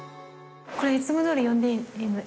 これいつもどおり呼んでいいの？